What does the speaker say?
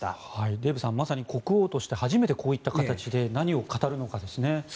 デーブさんまさに国王として初めてこういった形で何を語るのかですね。